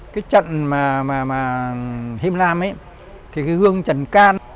cái trận mà hiêm lam ấy cái gương trần can